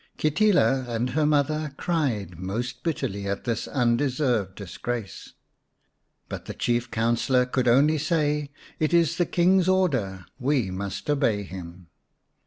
Kitila and her mother cried most bitterly at this undeserved disgrace, but the Chief Councillor could only say, "It is the King's order ; we must obey him."